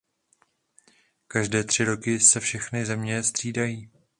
Každé tři roky se všechny země střídají.